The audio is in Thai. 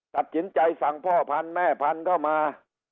ตัดสินใจสั่งพ่อพันธุ์แม่พันธุ์เข้ามา